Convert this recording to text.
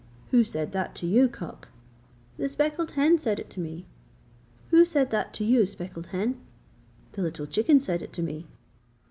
'Who said that to you, cock?' 'The speckled hen said it to me.' 'Who said that to you, speckled hen?' 'The little chicken said it to me.'